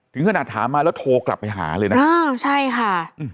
ถึงขนาดถามมาแล้วโทรกลับไปหาเลยนะอ้าวใช่ค่ะ